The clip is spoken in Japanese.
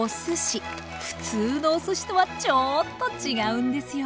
普通のおすしとはちょっと違うんですよ。